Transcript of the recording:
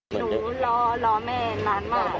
หนูรอแม่นานมาก